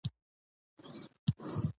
ماشومان د طبیعت له نندارې خوند اخلي